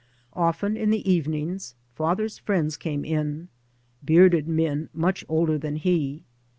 Often in the evenings father's friends came in, bearded men much older than he.